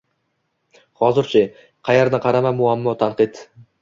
Hozirchi? Qayerni qarama muammo, tanqid.